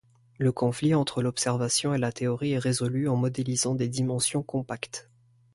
Le conflit entre l'observation et la théorie est résolu en modélisant des dimensions compactes.